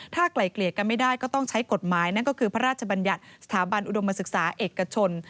ถ้าไกล่เกลี่ยกันไม่ได้ก็ต้องใช้กฎหมายนั่นก็คือพระราชบัญญัติสถาบันอุดมศึกษาเอกชน